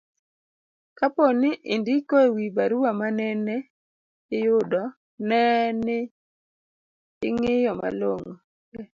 kapo ni indiko e wi barua manene iyudo, ne ni ing'iyo malong'o